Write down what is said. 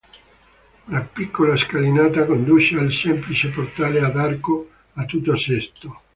Una piccola scalinata conduce al semplice portale ad arco a tutto sesto.